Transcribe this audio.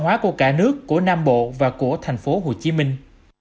hóa của cả nước của nam bộ và của thành phố hồ chí minh